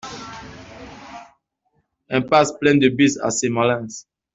Impasse Plaine de Bise à Sémalens